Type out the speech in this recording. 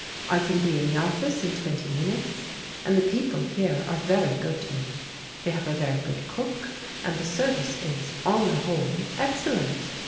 I can be in the office in twenty minutes, and the pec^le here are ver>' good to me. They have a very good cook and the service is, on the whole, excellent.